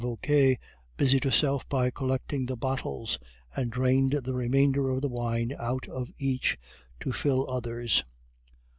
Vauquer busied herself by collecting the bottles, and drained the remainder of the wine out of each to fill others.